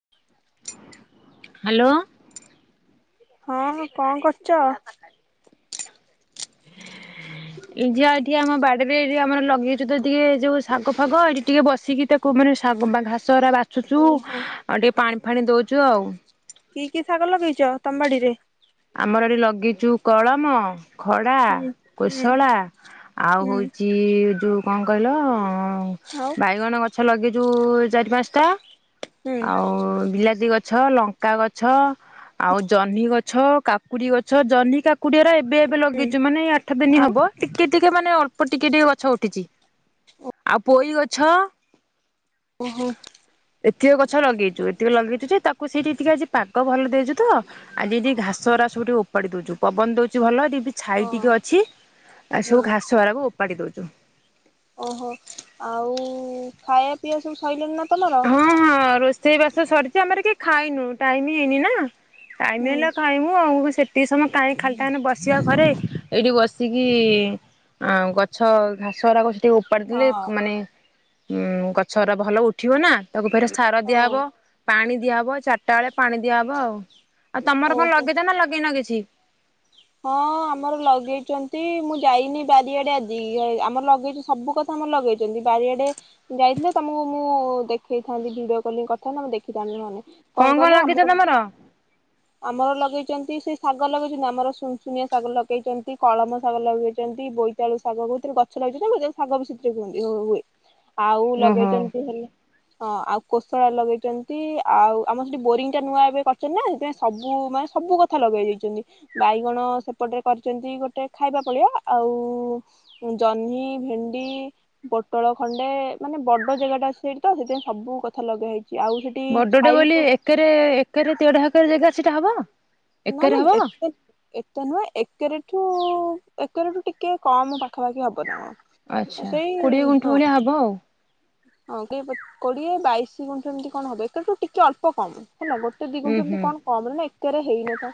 [inaudible] Hello ହଁ କଣ କରୁଛ? ଏଇ ଯା ଏଠି ଆମ ବାଡିରେ ଆମର ଲଗେଇଛଛି ତ ଟିକେ ଯୋଉ ଶାଗ ଫାଗ ଏଇଠି ଟିକେ ବସିକି ତାକୁ ମାନେ ଘାସ ଚୁ ଚୁ ଓହୋ ଆଉ ଟିକେ ପାଣି ଫାଣି ଦଉଛୁ ଆଉ କି କି ଶାଗ ଲଗେଇଛ ତମ୍ବାଡିରେ ଆମର ଏଠି ଲଗିଛୁ କଳମ ଖଡ଼ା ହୁଁ ହୁଁ କୋଶଳା ଆଉ ହୁଁ ହଉଛି। ଯେଉଁ କଣ କହିଲ? ହ ବାଇଗଣ ଗଛ ଲଗେଇ ଯାଉ ଚାରି ପାଞ୍ଚଟା ଆଉ ବିଲାତି ଗଛ ଗଛ ଲଙ୍କା ଗଛ ଆଉ ଜହ୍ନି ଗଛ କାକୁଡି ଗଛ ଜହନି କାକୁଡିଆର ଏବେ ଏବେ ଲଗେଇଛୁ ମାନେ ଆଠ ଦିନ ଆଉ ହବ ଟିକେ ଟିକେ ମାନେ ଅଳ୍ପ ଟିକେ ଟିକେ ଗଛ ଉଠିଛି ଆଉ ପୋଇ ଗଛ ହୁଁ ହୁଁ ଆଉ ଓହୋ ଏତିକ ଗଛ ଲଗେଇଛୁ ଏତିକ ଲଗେଇଛୁ ଯେ ତାକୁ ସେଇଠି ଏତିକି ପାଗ ଭଲ ଦେଇଛୁ ତ ଆଉ ଯଦି ହଁ ସରାସରି ଉପାଡ଼ି ଦେଉଛୁ ପବନ ଦଉଛି ଭଲ ଛାଇ ଟିକେ ଅଛି ଆ ହୁଁ ସବୁ ଘାସ ବାାରାକୁ ଓ ଉପାଡି ଦଉଛି। [inaudible] ଓହୋ ଆଉ ଖାଇବା ପିଆ ସବୁ ସଇଲଲେ ନା ତମର? ହଁ ହଁ ରୋଷେଇ ବାସ ତ ସରିଛି ଆମର କେହି ଖାଇନୁ ଟାଇମ ହେଇନି ନା ଟାଇମ ହୁଁ ହେଲେ ଖାଇମୁ ଆଉ ସେଠି ଟିକେ ସମୟ କାହିଁ ଖାଲିଟାନେ ବସିବା ଘରେ ଏଇଠି ବସିକି ଆଁ ଗଛ ଘାସ [unintelligible] ଟିକେ ହଁ ଉପାଡିଦେଲେ ମାନେ ଉଁ ଗଛରା ଭଲ ଉଠ୍ ଠିବ ନା ତାକୁ ଫେରେ ସାର ହଉ ଦିଆହବ ପାଣି ଦିଆହବ ଚାଟା ବେଳେ ପାଣି ଦିଆହବ ଆଉ। ଆଉ ତମର କଣ ଓହୋ ଲଗେଇଚ ନା ଲଗେଇନ କିଛି। ହଁ ଆମର ଲଗେଇଚନ୍ତି ମୁଁ ଯାଇନି ବାରିଆଡେ ଆଜି ଆମର ଲଗେଇଚୁ ସବୁ କଥା ଆମର ଲଗେଇଚନ୍ତି ବାରିଆଡେ ଯାଇଥିଲେ ତମକୁ ମୁଁ ଦେଖେଇଥାନ୍ତି ଭିଡିଓ କଲିଂ କରିଥାନ୍ତି ତମେ ଦେଖିଥାନ୍ତ ମାନେ କଣ କହିଲ ଆମର ଆମର ଲଗେଇଚନ୍ତି ସେ ଶାଗ ଲଗେଇଛନ୍ତି ଆମର। ସୁନସୁନିଆ ଶାଗ ଲଗେଇଚନ୍ତି, କଳମ ଶାଗ ଲଗେଇଚନ୍ତି, ବୋଇତାଳୁ ଶାଗ କଉଥିରେ ଗଛ ଲଗେଇଛନ୍ତି ଶାଗ ବି ସେଥିରେ ହୁଅ ହୁଏ। ଆଉ ଓହୋ ଲଗେଇଚନ୍ତି ହେଲେ ହଁ ଆଉ କୋଶଳା ଲଗେଇଚନ୍ତି ଆଉ ଆମର ସେଠି ବୋରିଙ୍ଗ ଟା ନୂଆ ଏବେ କରିଚନ୍ତି ନା ସେଥିପାଇଁ ସବୁ ମାନେ ସବୁ କଥା ଲଗେଇ ଦେଇଛନ୍ତି। ବାଇଗଣ ସେପଟରେ କରିଛନ୍ତି ଗୋଟେ ଖାଇବା ପଳିଆ ଆଉ ଜହ୍ନି, ଭେଣ୍ଡି, ପୋଟଳ ଖଣ୍ଡେ ମାନେ ବଡ ଜାଗାଟା ଅଛି ସେଇଠି ତ ସେଥିପାଇଁ ସବୁ କଥା ଲଗା ହେଇଛି। ଆଉ ସେଠି ବଡଟେ ଛାଇ ବୋଲି ବି ଏକରେ ଏକରେ ତେଢା ହାକରେ ଜାଗା ସେଇଟା ହବ? ନା ଏକରେ ନା ହବ ଏତେ ଏତେ ନୁହେଁ ଏକେରେ ଠୁ ଏକରଠୁ ଟିକେ କମ ପାଖାପାଖି ହବ ନା। ଆଚ୍ଛା ସେଇ କୋଡିଏ ଗୁଣ୍ଠି ହଁ ଭଳିଆ ହବ ଆଉ। ହଁ କୋଡିଏ ବାଇଶ ଗୁଣ୍ଠୁ ଏମିତି କଣ ହବୁ ଟିକେ ଅଳ୍ପ। କମ ହେଲା ଗୋଟେ ଉୁଁ ଦିଗନ୍ତଠୁମତି ହୁଁ କଣ କମରେ ନାଇଁ ତରେ ହେଇନ ତ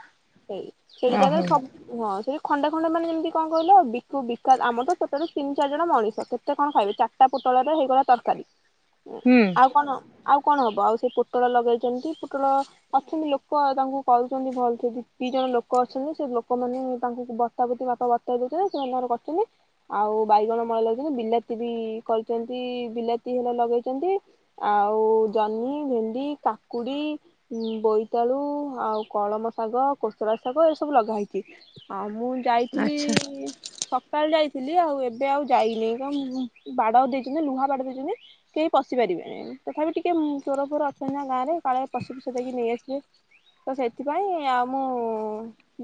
ସେଇ ସେଠି ଜାଗାରେ ଓହୋ ସବୁ ହଁ ସେଠି ଖଣ୍ଡେ ଖଣ୍ଡେ ମାନେ ଯେମିତି କଣ କହିଲ ବିକୁ ବିକାଶ ଆମ ତତଟରୁ ତିନି ଚାରି ଜଣ ମଣିଷ କେତେ କଣ ଖାଇବେ ଚାରିଟା ପୋଟଳରେ ହେଇଗଲା ତରକାରୀ। ହ ହୁଁ ଆଉ କଣ ଆଉ? କଣ ହବ ଆଉ ସେ ପୋଟଳ ଲଗେଇଛନ୍ତି ପୋଟଳ ଅଛନ୍ତି ଲୋକ ତାଙ୍କୁ କରୁଛନ୍ତି ଭଲ ସେ ଦ ଦୁି ଜଣ ଲୋକ ଅଛନ୍ତି ସେ ଲୋକମାନେ ତାଙ୍କୁ ବତାବତି ବାପା ବର୍ତ ଦେଉଛନ୍ତି ସେମାନଙ୍କର କରିଛନ୍ତି ଆଉ ବାଇଗଣ ମଳେ ଲଗାଇଛନ୍ତି ବିଲାତି ବି କରିଛନ୍ତି ବିଲାତି ହେଲେ ଲଗେଇଛନ୍ତି ଆଉ ଜହ୍ନି ଭେଣ୍ଡି କାକୁଡ଼ି ବୋଇତାଳୁ ଆଉ। କଳମ ଶାଗ କୋଷୁର ଶାଗ ଏସବୁ ଲଗା ହେେଇଛି ଆଉ। ମୁଁ ଯାଇଥିଲି ଆଚ୍ଛା ସକାଳେ ଯାଇ ଥିଲି ଆଉ ଏବେ ଆଉ ଯାଇନି କଣ ବାଡ଼ ଦେଇଛନ୍ତି ଲୁହା ବାଡ଼ ଦେଇଛନ୍ତି କେହି ପଶି ପାରିବେନି ତଥାପି ଟିକେ ଚୋର ଫୋର ଅଛନ୍ତି ନା ଗାଁରେ କାଳେ ପଶି ଫଷ ଦେଇକି ନେଇଆସିବେ। ତ ସେଥିପାଇଁ ଆଉ ମୁଁ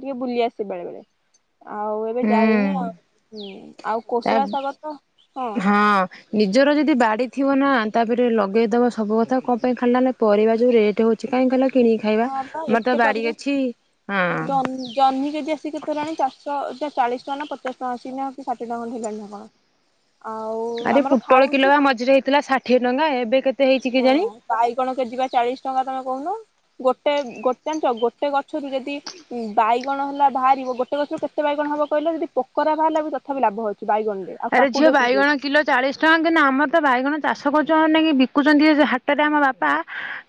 ଟିକେ ବୁଲି ଆସିବ ବେଳେ ବେଳେ ଆଉ ଏବେ ହୁଁ ଯାଇନି ଆଉ। ହୁଁ ଆଉ ତା କୋଶଳା ଶାଗ ତ ହଁ ନିଜର ଯଦି ବାଡି। ଥିବ ନା ତାପରେ ଲଗେଇଦେବା ସବୁ କଥା କଣ ପାଇଁ ଖାା ନା ପରିବା ଯେଉଁ ରେଟ୍ ହେଉଛି କାହିଁ ଖିଲ ହଁ ବା ଏତେ ପରମା ହଁ ଜହ୍ମି କେ ଚାଷ କେତେ ହେଲାଣି ଚାଷଷ ଚାଳିଶ ଟଙ୍କା ନା ପଚାଶ ଟଙ୍କା ଅି ନା କି ଷାଠିଏଙ୍କ ଖଣ୍ଡ ହେଗାଣି ନା ଆ କଣ? ଆଉ ଆରେ ଆମର ପୋଟଳ ଖାଉଛୁ କିଲୋ ବା ମଝିରେ ହେଇଥିଲା ଷାଠିଏ ଟଙ୍କା ଏବେ କେତେ? ହେଇଛି ହଁ କେଜାଣି ବାଇଗଣ କେଜି ବା ଚାଳିଶ ଟଙ୍କା ତମେ କହୁନୁ ଗୋଟେ ଗୋଟେ ଜଣିଛ ଗୋଟେ ଗଛରୁ ଯଦି ବାଇଗଣ ହେଲା ବାହାରିବ ଗୋଟ ଗଛରୁ କେତେ ବାଇଗଣ ହବ କହିଲା ଯଦି ପୋକରା ବାହାରିଲା ବି ତଥାପି ଲାଭ ହଉଛି। ଆରେ ଝିଅ ବାଇଗଣ କିଲୋ ଚାଳିଶ ଟଙ୍କା କିନ୍ତୁ ଆମର ତ ବାଇଗଣ ଚାଷ କରୁଛନ୍ତି ନକ କି ବିକୁଛନ୍ତି ହାଟରେ ଆମ ବାପା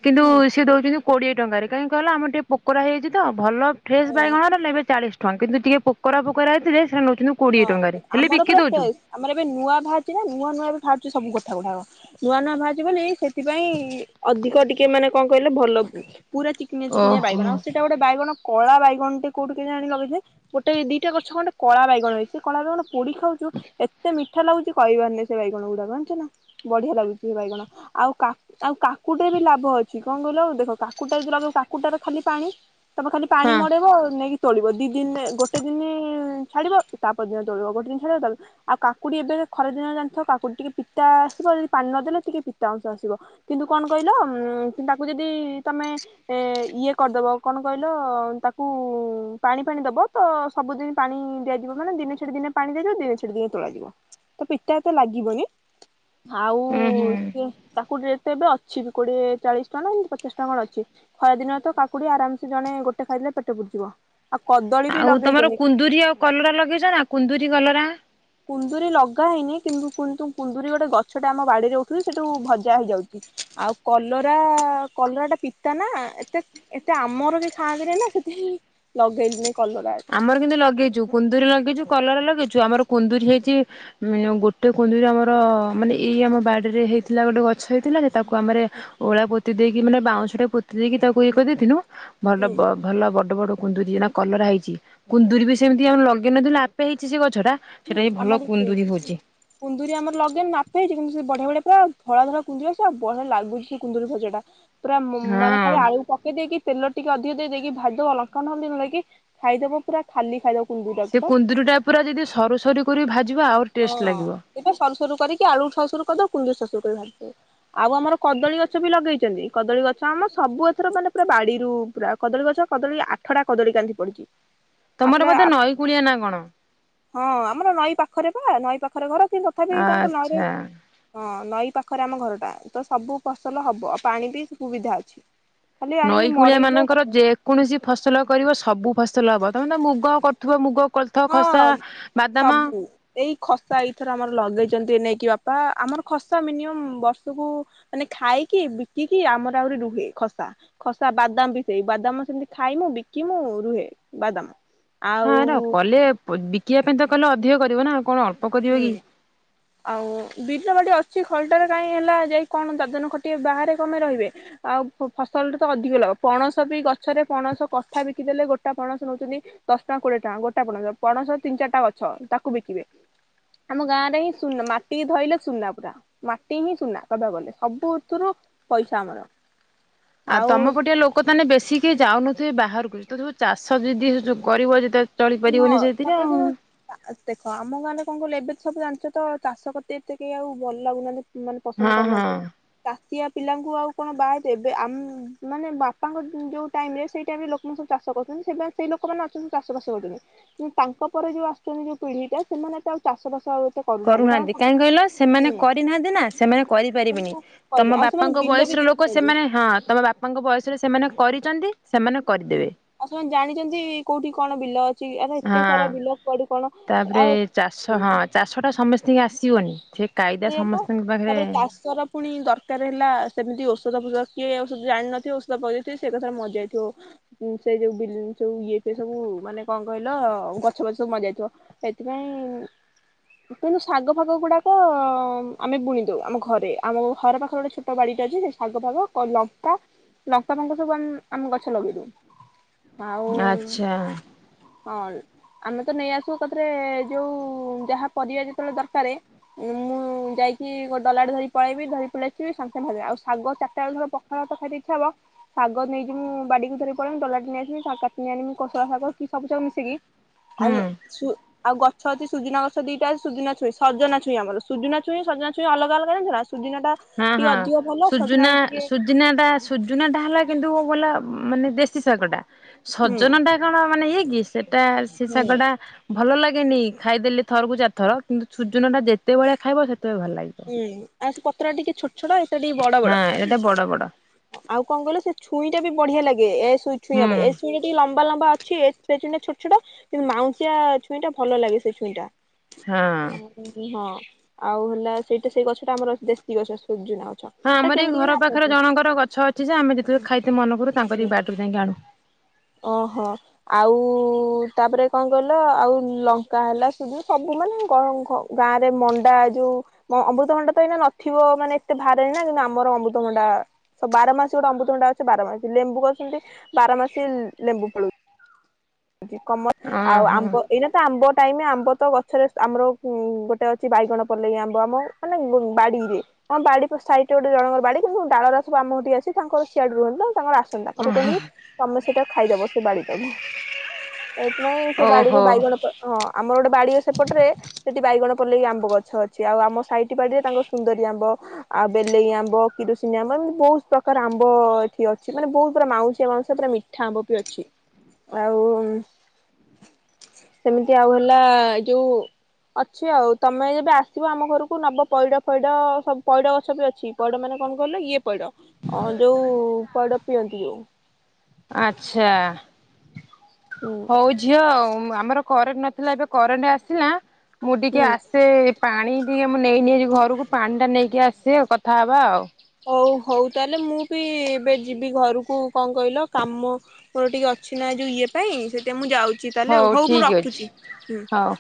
କିନ୍ତୁ ହୁଁ ସେି ଦଉଛନ୍ତି କୋଡିଏ ଟଙ୍କାରେ କାହିଁ କହିଲ ଆମର ଟିକେ ପୋକୋରାଇାଇଛି ତ ଭଲ ଫ୍ରେଶ ହଁ ବାଇଗଣରେ ନେବେ ଚାଳିଶା ଁ କିନ୍ତୁ ଟିକେ ପୋକରା ପରାଇ ଥିଲେ ସେ ୁ ହଁ କୋଡିଏ ଟଙ୍କାରେ ହେଲେ ଆମର ବିକି ପୁରା ଦଉଛୁ ଫ୍ରେଶ୍ ଆମର ଏବେ ନୂଆ ଭାଜି ନା ନୂଆ ନୂଆ ବି ଖାଉଛି ସବୁ କଥା ଗୁଡାକ ନୂଆ ନୂଆ ଭାଜି ବୋଲି ସେଥିପାଇଁ ଅଧିକ ଟିକେ ମାନେ କଣ କହିଲେ ଭଲ ହୁ ପୁର ଚିକି ଚିକିଆ ଓହୋ ବାଇଗଣ ଆଉ ସେଟ ଗୋଟ ବାଇଗଣ କଳା ବାଇଗଣ ଟେ କୋଉଠି କେ ଜଣିଲ କି ଯେ ଗୋଟେ ଦିଟା ଗଛ ଗଟେ କଳା ବାଇଗଣ ହେଇଛି ସେ କଳା ବାଇଗଣ ପୋଡି ଖାଉଛୁ ଏତେ ମିଠା ଲାଗୁଛି କହିବାରନି ସେ ବାଇଗଣ ଗୁଡା ଜଣିଛ ନା ବଢିଆ ଲାଗୁଛି ସେ ବାଇଗଣ ଆଉା ଆଉ କାକୁଟେ ବି ଲାଭ ଅଛି କଣ କହିଲ ଆଉ ଦେଖ କାକୁଟା ଯି ଲାଭ କାକୁଟାର ଖାଲି ପାଣି ତମେ ଖାଲି ପାଣି ହଁ ମଡେଇବ ନେଇକି ଚଳିବ ଦି ଦିନ ଗୋଟେ ଦିନ ଛାଡିବ ତା ପରଦିନ ତୋଳିବ ଗୋଟେ ଜିନିଷ ହେ ଆଉ କାକୁଡ଼ି ଏବେ ଖରାଦିନ ଜାଣିଥିବ କାକୁଡି ଟିକେଏ ପିତା ଆସିବ ଯଦି ପାଣି ନଦେଲେ ଟିକେ ପିତା ଅଂଶ ଆସିବ କିନ୍ତୁ କଣ କହିଲ ତାକୁ ଯଦି ତମେ ଇଏ କରିଦବ କଣ କହିଲ ତାକୁ ପାଣି ଫାଣି ଦବ ତ ସବୁଦିନ ପାଣି ଦିଆ ମାନେ ଦିନେ ଛଡି ଦିନେ ପାଣି ଦଯିବ ଦିନେ ଛଡି ଦିନ ତୋଳାାଯିବ ତ ପିତାା ଏତେ ଲାଗିବନି ଆଉ ହୁଁ ହୁଁ ସିଏ ତାକୁ ଟେ େ ଏବେ ଅଛି କୋଡିଏ ଚାଳିଶ ଟଙ୍କା ଏମିତି ପଚାଶ ଟଙ୍କା ଅଛି ଖରା ଦିନରେ ତ କାକୁଡି ଆରାମସେ ଜଣେ ଗୋଟେ ଖାଇଦଲେ ପେଟ ବୁଡିଯିବ ଆଉ ତମର କୁନ୍ଦୁରିୀ ଆଉ କଲରା ଲଗେଇ କୁନ୍ଦୁରି ଗଲ ନା କୁନ୍ଦୁରିୀ ଲଗା ହେଇନି କିନ୍ତୁନ୍ତୁ କୁନ୍ଦୁରିୀ ଗୋଟେ ଗଛଟା ଆମ ବାଡିରେ ଉଠୁଛି ସେଠୁ ଭଜା ହେଇଯାଉଛି ଆଉ କଲରା କଲରାଟା ପିତା ନା ଏତେ ଏତେ ଆମର ବି ଖାନ୍ତିରେ ନା ସେଠିଁ ଲଗେଇଲି ଆମର କିନ୍ତୁ ଲଗେଇଛୁ କୁନ୍ଦୁରରି ଲଗେଇଛୁ କଲର ଲଗେଇଛୁ ଯଉ ଆମର କୁନ୍ଦୁରିୀ ହେଇଛି ଗୋଟେ କୁନ୍ଦୁରିୀ ଆମର ମାନେ ଏଇ ଆମ ବାଡ଼ିରେ ହେଇଥିଲା ଗୋଟେ ଗଛ ହେଇଥିଲା। ତାକୁ ଆମେ ଓଳା ବ ପୋତି ଦେଇକି ମାନେ ବାଉଁଟା ପୋତି ଦେଇକ ତାକୁ ଇ କରିଦ ଦେଇଥିନୁ ଭଲ ହୁଁ ଭଲ ବ ବଟ ବ କୁନ୍ତୁ ଦି ଜଣଣା କଲର ହେଇଛି। କୁନ୍ଦୁରିୀ ବି ସେମିତି ଆମେ ଲଗେଇନଥିଲୁ ଆପେ ହେଇଛି ସେ ଗଛଟା ସେଟା ହୁଁ ବି ଭଲ ଆମର ସେ କୁନ୍ଦୁରି ହଉଛି। କୁନ୍ଦୁରି ଆମର ଲଗେଇନି ନାତ ହେଇଛି କିନ୍ତୁ ସେ ବଢିଆ ବଢଆ ପୁରା ଧଳା ଧରା କୁନ୍ଦୁରି ଆସ ଆଉ ବଢଆ ଲାଗୁଛି କୁନ୍ଦୁରୀ ଭଜା ଟା ପୁରା ମାନେ ହଁ। ଖାଲି ଆଳୁକୁ ପକେଇ ଦେଇକି ତେଲ ଟିକ ଅଧିକ ଦେଇକି ଭା ଅଲଙ୍କା ନହ ନେକି ଖାଇଦବ ପୁରା ଖାଲି ଖାଇଦବ କୁନ୍ଦୁରିଟାକୁ ସେ ପା। କୁନ୍ଦୁର ଟା ପୁରା ଯଦି ସରୁ ସରୁ ପୁରୀ ଭା ହଁ ଏବେ ସରୁ ସରୁ କରିକି ଆଳୁ ସରୁ କରିଦଉ କୁନ୍ଦର ଶ୍ୱଶୁର ଆଉ ଆମର କଦଳୀ ଗଛ ବି ଲଗେଇଛନ୍ତି କଦଳୀ ଗଛ ଆମ ସବୁ ଏଥର ମାନେ ପୁରା ବାଡିରୁ ପୁରା କଦଳୀ ଗଛ କଦଳୀ ଆଠଟା କଦଳୀ କାନ୍ଧି ପଡିଛି। ତମର ଆଠଟା ବୋଧେ ନଈ କୂଳିଆ ନା କଣ? ହଁ ଆମର ନଈ ପାଖ ପାଖରେ ବା ନଈ ପାଖରେ ଘର। ସେେ ତଥାପି କଣ କର ଆହୁରେ ଆଚ୍ଛା। ହଁ। ନଈ ପାଖରେ ଆମ ଘରଟା ତ ସବୁ ଫସଲ ହବ ଆ ପାଣି ବି ସୁବିଧା ଅଛି। ଖାଲି ଆଣିକି ନଈ କୂଳିଆ ମଡେଇଲେ ହବ ମାନଙ୍କର ଯେକୌଣସି ଫସଲ କରିବ ସବୁ ଫସଲ ତ ମୁଗ କରୁଥିବା ମୁଗ କୋଳଥ ଖସା ହଁ ବାଦାମ ସବୁ ଏଇ ଖସା ଏଇଥର ଆମର ଲଗେଇଛନ୍ତି ଏ ନେଇେଇ କି ବାପା ଆମର ଖସା ମିନିମ ବର୍ଷକୁ ମାନେ ଖାଇକି ବିକିକି ଆମର ଆହୁରି ରୁହେ ଖସା ଖସା ବାଦାମ ବି ସେେଇ ବାଦାମ ସେମିତି ଖାଇମୁ ବିକିମୁ ରୁହେ ବାଦାମ ହଁ ଆଉ ର କଲେ ବିକିବା ପାଇଁ ତ କଲେ ଅଧିକ କରିବ ନାଁ। ଆଉ କଣ ଅଳ୍ପ କରିବ ହୁଁ କି? ଆଉ ବିଲବାଡି ଅ କିଛି ଖଲଟରେ କାହିଁ ହେଲା ଯାଇ କଣ ଦାଦନ ଖଟିବେ। ବାହାରେ କଁ ପାଇଁ ରହିବେ। ଆଉ ଫସଲଟେ ତ ଅଧିକ ଲ ପଣସ ବି ଗଛରେ ପଣସ କଠା ବିକିଦେଲେ ଗୋଟା ପଣସ ନୋଉଛନ୍ତି ଦଶ ଟଙ୍କା, କୋଡିଏ ଟଙ୍କା। ଗୋଟା ପଣସ ପଣସ ତିନି ଚାରିଟା ଗଛ ତାକୁ ବିକିବେ। ଆମ ଗାଁ ରେ ହିଁ ସୁନା ମାଟି ଧଇଲେ ସୁନା ପୁରା ମାଟି ହିଁ ସୁନା କହିବାକୁ ଗଲେ ସବୁଥୁରୁ ପଇସା ଆମର। ଆଉ ତମ ପଟିଆ ଲୋକ ତାନେ ବେଶୀ କେହି ଯାଉନ ବାହାର କରୁଛି ତବୁ ଚାଷ ଯଦି କରିବ ଯେଦେ କିନ୍ତୁ ହଁ ତାପରେ କିନ୍ତୁ ଦେଖ ଆମ ଗାଁରେ କଣ କହିଲେ ଏବେ ତ ସବୁ ଜାଣିଛ ତ ଚାଷ କେତେ ଏତେ କେହି ଆଉ ଭଲ ଲାଗୁନାହାଁନ୍ତି। ମାନେ ପସନ୍ଦ ହଁ କରୁନାହାନ୍ତି। ହଁ। ଚା ଆ ପିଲାଙ୍କୁ ଆଉ କଣ ବାହା ଦେବେ ଆ ମାନେ ବାପାଙ୍କ ଯୋଉ ଟାଇମ୍ ରେ ସେଇ ଟାଇମ୍ ରେ ଲୋକଙ୍କୁ ସବୁ ଚାଷ କରୁଛନ୍ତି। ସେଇ ଲୋକମାନେ ଅଛନ୍ତି ଚାଷ ବାସ କିନ୍ତୁ ତାଙ୍କ ପରେ ଯୋଉ ଆସୁଛନ୍ତି ଯୋଉ ପିଢିଟା ସେମାନେ ଏତେ ଆଉ ଚାଷ ବାସ ଆଉ ଏତେ କରୁନାହାନ୍ତି କାରଣ କରୁନାଁହାନ୍ତି ହୁଁ କାହିଁ କହିଲ ସେମାନେ କରିନାଁହାନ୍ତି ନା ସେମାନେ କରିପାରିବେନି। ସେମାନଙ୍କୁ କରିବେ ତମ ଆଉ ସେମାନେ ବାପାଙ୍କ ବିଲ ବି ବୟସର ଲୋକ ଦେଖୁଛନ୍ତି। ସେମାନେ ହଁ ତମ ବାପାଙ୍କ ବୟସରେ ସେମାନେ କରି ଚନ୍ତି। ଆଉ ସେମାନେ ଜାଣିଛନ୍ତି କୋଉଠି କଣ ବିଲ ଅଛି? ଆରେ ଏତେ ହଁ। ସାରା ବିଲ ପଡି କଣ ଆଉ ଏତେ ସିଏ ଆସିିିବନି। ଠିକ୍ ସେଇଆ ପା ତାପରେ ତାଶର ପୁଣି ଦରକାର ହେଲା ସେମିତି ଓ ଔଷଧୂଜ କିଏ ଔଷଧ ଜାଣିନଥିବ ଔଷଧ ପଏଇ ଦେଇଥିବ ସେ କଥାରେ ମଜାଇଥିବ। ସେ ଯୋଉ ସବୁ ବିଲ ଇଏ ସିଏ ସବୁ ମାନେ କଣ କହିଲ ଗଛ ଫଛ ସବୁ ମଜାଇଥିବ। ସେଥିପାଇଁ କିନ୍ତୁ ଶାଗ ଫାଗ ଗୁଡାକ ଆମେ ବୁଣି ଦୋଉ। ଆମ ଘରେ ଆମ ଘର ପାଖରେ ଗୋଟେ ଛୋଟ ବାଡିଟେ ଅଛି। ଶାଗ ଫାଗ କ ଲଙ୍କା ଲପା ପଙ୍କା ସବୁ ଆମେ ଗଛ ଲଗେଇ ଦୋଉ। ଆଚ୍ଛା। ହଁ ଆମେ ତ ନେଇଆସୁ ଏକାଥରେ ଯୋଉ ଯାହା ପରିବା ଯେତେବେଳେ ଦରକାରେ। ଉଁ ମୁଁ ଯାଇକି ଗୋ ଡଲାଟେ ଧରି ପଳେଇବି। ଧରି ପଳେଇସିବି ସାଙ୍ଗେ ସାଙ୍ଗେ ଭାଜିଦେବି। ଆଉ ଶାଗ ଚାରଟା ବେଳକୁ ଥର ପଖାଳ ଭାତ ଖାଇତେ ଇଚ୍ଛା ହବ ଶାଗ ନେଇକି ମୁଁ ବାଡିକୁ ଧରି ପଳେଇବି ଡଲାଟେ ନେଇ ଆସିବି କାଟି ଆଣମି କଷଳା ଶାଗ କି ସବୁ ଶାଗ ମିଶିକି ଆଲୁ ହୁଁ। ସୁ ଆଉ ଗ ସ ଅଛି ସୁଜୁନା ଗଛ ଦିଟା ଅଛି। ସୁଜୁନା ଛୁଇଁ ସଜନା ଛୁଇଁ ଆମର ସୁଜୁନା ଛୁଇଁ ସଜନା ଛୁଇଁ ଅଲଗା ଅଲଗା ନଥିଲା। ହଁ ହଁ ସୁଜୁନା ଟା ଟିକେ ସୁଜୁନା ଟା ସୁଜୁନା ଟା ହେଲା କିନ୍ତୁ ବଲା ମାନେ ଦେଶୀ ଶାଗଟା। ହୁଁ ସଜନା ଟା କଣ ମାନେ ଇଏ ଇସ୍। ସେଟା ସେ ହୁଁ ଶାଗ ଟା ଭଲ ଲାଗେ। [unintelligible] ଖାଇଦେଲି ଥରକୁ ଚାରିଥର କିନ୍ତୁ ସୁଜୁନା ଟା ଯେତେ ଭେଳେ ଖାଇବ ସେ ହୁଁ ଆଉ ସେ [unintelligible] ଟିକେ ଛୋଟ ଛୋଟ ସେ ଟିକେ ବଡ ବଡ ହଁ ଏଇଟା ବଡ ବଡ [inaudible] ଆଉ କଣ କହିଲ ସେ ଛୁଇଁଟା ବି ବଢିଆ ଲାଗେ। ଏଷ୍ଟ ଛୁଇଁ ହୁଁ ଅପେକ୍ଷା ଟିକିଏ ଲମ୍ବା ଲମ୍ବା ଲମ୍ବା ଅଛି ସେ ଛଇଁଟା ଛୋଟ ଛୋ କିନ୍ତୁ ମାଉସଆଛଇଁ ଟା ଭଲ ଲାଗେ ସେ ଛୁଇଟା। ହଁ। ଆ ହଁ ଆଉ ହେଲା। ସେଇଟା ସେଇ ଗଛଟା ଆର ଅଛି ଦେଶୀ ଗଛ ଗଛ। ହଁ ତା ଆମର ଏଇ କେମିତି ଘର କିନା ପାଖରେ ଜଣଙ୍କର ଗଛ ଅଛି ଯେ ଆମେ ଯେତେବେଳେ ଖାଇତେ ମନେ କରୁ ତାଙ୍କର ଯି ବାଟକୁ ଯାଇକି ଆଣୁ ଓହୋ ଆଉ ତାପରେ କଣ କହିଲ ଆଉ ଲଙ୍କା ହେଲା ସୁ ସବୁ ମାନେ ଗାଁ ରେ ମଣ୍ଡା ଯୋଉ ଅମୃତଭଣ୍ଡା ତ ଏଇନା ନଥିବ ମାନେ ଏତେ ବାାରେି ନା କିନ୍ତୁ ଆମର ଅମୃତଭଣ୍ଡା ବାର ମାସ ଗୋଟେ ଅମୃତଭଣ୍ଡା ଅଛି ବାର ମାସ ଲେମ୍ବୁ କରିଛନ୍ତି ବାରମାସ। ସେ ଲେମ୍ବୁ ପଳୁ। [inaudible] କମ ଆଉ ଓହୋ ଆମ୍ବ ଏଇନା ତ ଆମ୍ବ ଟାଇମ ଆମ୍ବ ତ ଗଛରେ ଆମର ଗୋଟେ ଅଛି ବାଇଗଣ ପଲେଇ ଆମ୍ବ ଆମ ମାନେ ବାଡିରେ ଆ ବାଡି ସାଇରେ ଗୋଟେ ଜଣଙ୍କର ବାଡି କିନ୍ତୁ ଡାଳରା ସବୁ ଆମ ଗଠି ଆସି ତାଙ୍କର ସିଆଡୁ ରୁହନ୍ତି ନା ତାଙ୍କର କଣୁ କହଲି ତ ସମମେ ସେଟା ଖାଇଦବ ସେ ବାଡ଼ିି ଦବ ସେଇଥିପାଇଁ ସେ ବାଡିରୁ ଓହୋ ବାଇଗଣ ହଁ ଆମର ଗୋଟେ ବାଡି। ସେପଟରେ ସେଠି ବାଇଗଣ ପଲେଇକ ଆମ୍ବ ଗଛ ଅଛି ଆଉ ଆମ ସାଇଠ ବାଡିରେ ତାଙ୍କ ସୁନ୍ଦରୀ ଆମ୍ବ ଆଉ ବେଲେଇ ଆମ୍ବ କିରସିନି ଆମ୍ବ ଏମିତି ବହୁତ ପ୍ରକାର ଆମ୍ବ ଏଠି ଅଛି ମାନେ ବହୁତ ପୁରା ମାଉସୀ ଆ ପୁରା ମିଠା ଆମ୍ବ ବି ଅଛି ଆଉ। ସେମିତି ଆଉ ହେଲା ଏ ଯୋଉ ଅଛି ଆଉ ତମେ ଯେବେ ଆସିବ ଆମ ଘରକୁ ନବ ପଇଡ ପଇଡ ସବୁ ପଇଡ ଗଛ ବି ଅଛି ପଇଡ ମାନେ କଣ କଲେ ଇଏ। ପଇଡ ଯୋଉ ପଇଡ ପିଅନ୍ତି ଯୋଉ ଆଚ୍ଛା। ହୁଁ ହଉ ଝିଅ ଆଉ ଆମର କରେଣ୍ଟ ନଥିଲା ଏବେ କରେଣ୍ଟ ଆସିଲା। ମୁଁ ଟିକେ ହୁଁ ଆସେ ପାଣି ଟିକେ ମୁଁ ନେଇନି ଘରକୁ ପାଣି ଟା ନେଇକି ଆସିବେ କଥାହବା ଆଉ ହଉ ହଉ ତାହେଲେ ମୁଁ ବି ଏବେ ଯିବି ଘରକୁ କଣ କହିଲ କାମ ମୋର ଟିକଏ ଅଛି ନା ଯେଉଁ ଇଏ ପାଇଁ ସେଇଥିା ମୁଁ ଯାଉଛି। ତାହେଲେ ଆଉ ହଉ ମୁଁ ଠିକ ଅଛି ରଖୁଛି ହୁଁ। ହଉ।